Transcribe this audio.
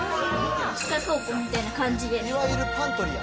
地下倉庫みたいな感じです。